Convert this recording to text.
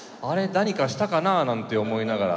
何かしたかな？」なんて思いながら。